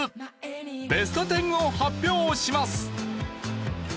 ベスト１０を発表します。